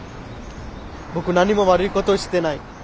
僕何も悪いことしてない。